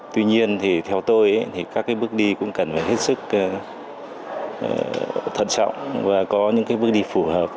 tuy nhiên thì theo tôi thì các bước đi cũng cần phải hết sức thận trọng và có những bước đi phù hợp